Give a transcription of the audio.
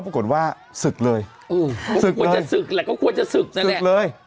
ปรากฏว่าศึกเลยอืมศึกเลยแล้วก็ควรจะศึกนั่นแหละศึกเลย